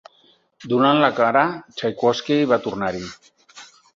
Donant la cara, Txaikovski va tornar-hi.